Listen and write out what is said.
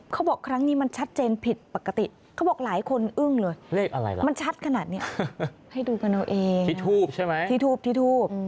ให้ดูกันเอาเองที่ทูปใช่ไหมที่ทูปที่ทูป